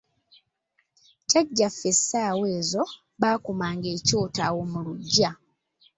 Jjajjaffe essaawa ezo baakumanga ekyoto awo mu luggya.